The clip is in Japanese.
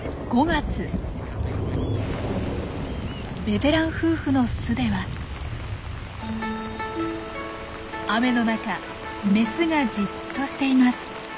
ベテラン夫婦の巣では雨の中メスがじっとしています。